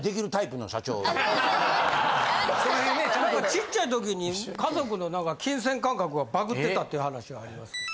ちっちゃい時に家族の何か金銭感覚がバグってたって話ありますが。